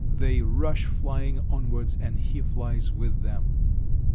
They rush flying onwards and he flies with them….